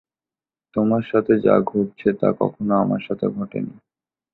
তোমার সাথে যা ঘটছে তা কখনো আমার সাথে ঘটেনি।